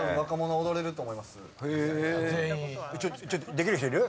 できる人いる？